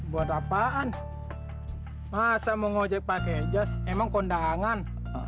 buat apaan masa mau ngojek pakai jas emang kondangan